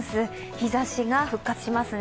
日ざしが復活しますね。